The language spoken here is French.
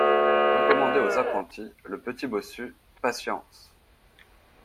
Recommandait aux apprentis le petit bossu, patience!